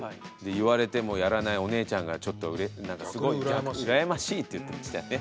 言われてもやらないお姉ちゃんがちょっとすごい羨ましいって言ってましたね。